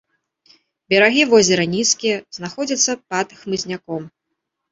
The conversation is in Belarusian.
Берагі возера нізкія, знаходзяцца пад хмызняком.